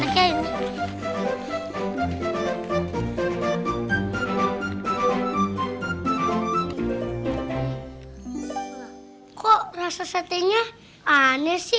kok rasa satenya aneh sih